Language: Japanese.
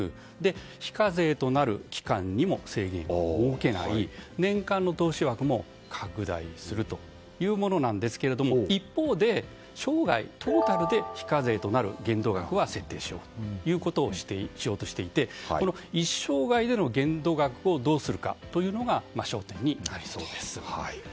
非課税となる期間にも制限を設けない年間の投資枠も拡大するというものですが一方で生涯トータルで非課税となる限度額は設定しようとしていて一生涯での限度額をどうするかというのが焦点になりそうです。